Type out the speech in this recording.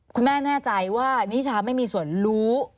คุณแม่แน่ใจว่านิชาไม่มีส่วนรู้